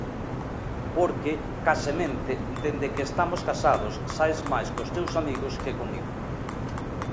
Porque, casemente, dende que estamos casados, saes máis cos teus amigos que comigo.